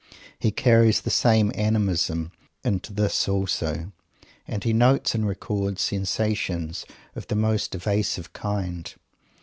He carries the same "animism" into this also. And he notes and records sensations of the most evasive kind.